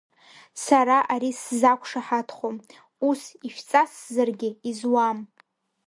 Сара ари сзақәшаҳаҭхом, ус ишәҵасзаргьы изуам.